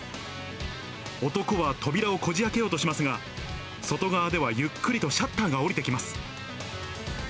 男は扉をこじあけようとしますが、外側ではゆっくりとシャッターが下りてきます。